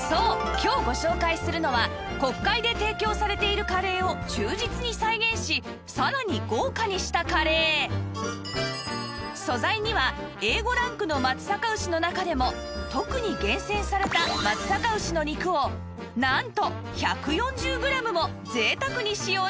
今日ご紹介するのは国会で提供されているカレーを忠実に再現しさらに豪華にしたカレー素材には Ａ５ ランクの松阪牛の中でも特に厳選された松阪牛の肉をなんと１４０グラムも贅沢に使用した一品